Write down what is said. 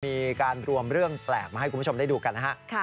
มีการรวมเรื่องแปลกมาให้คุณผู้ชมได้ดูกันนะฮะ